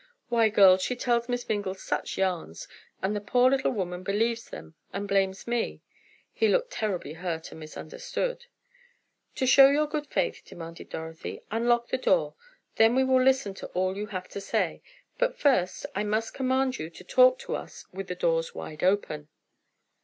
Why, girls, she tells Miss Mingle such yarns, and the poor little woman believes them and blames me." He looked terribly hurt and misunderstood. "To show your good faith," demanded Dorothy, "unlock the door. Then we will listen to all you have to say. But, first, I must command you to talk to us with the doors wide open!"